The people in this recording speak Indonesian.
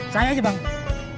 saya aja bang